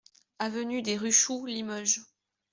Avenue des Ruchoux, Limoges